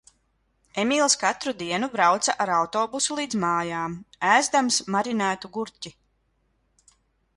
Emīls katru dienu brauca ar autobusu līdz mājām, ēzdams marinētu gurķi.